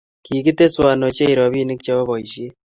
Kigiteswon ochei robinik chebo boisiet